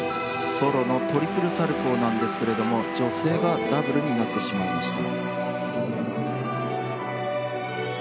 ソロのトリプルサルコウなんですけれども女性がダブルになってしまいました。